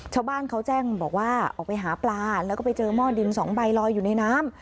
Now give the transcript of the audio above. ชาวบ้านเขาแจ้งบอกว่าออกไปหาปลาแล้วก็ไปเจอหม้อดินสองใบลอยอยู่ในน้ำ